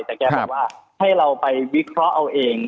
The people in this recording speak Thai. แต่แกบอกว่าให้เราไปวิเคราะห์เอาเอง